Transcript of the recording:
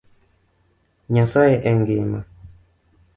Nyasaye engima